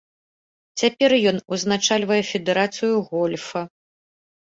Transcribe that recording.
Цяпер ён узначальвае федэрацыю гольфа.